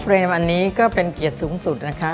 เรียนอันนี้ก็เป็นเกียรติสูงสุดนะคะ